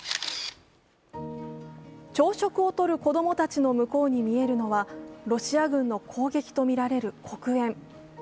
朝食をとる子供たちの向こうに見えるのはロシア軍の攻撃とみられる黒煙。